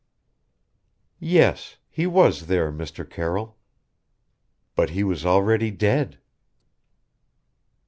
"Yes he was there, Mr. Carroll. But he was already dead!"